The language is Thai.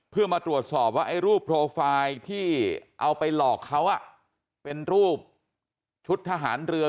เพื่อมาตรวจสอบว่าไอ้รูปโปรไฟล์ที่เอาไปหลอกเขาเป็นรูปชุดทหารเรือ